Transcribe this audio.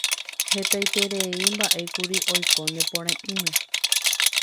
hetaiterei mba'e kuri oiko ne pore'ỹme